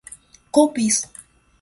compiz